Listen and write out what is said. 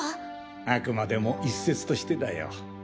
あくまでも一説としてだよ。